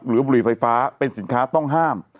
บุหรี่ไฟฟ้าเป็นสินค้าต้องห้าม